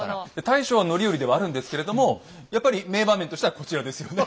大将は範頼ではあるんですけれどもやっぱり名場面としてはこちらですよね。